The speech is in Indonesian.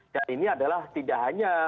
dan ini adalah tidak hanya